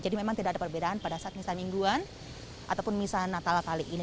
jadi memang tidak ada perbedaan pada saat misal mingguan ataupun misal natal kali ini